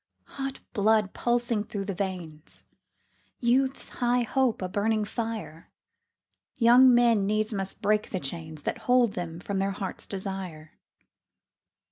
Hot blood pulsing through the veins, Youth's high hope a burning fire, Young men needs must break the chains That hold them from their hearts' desire.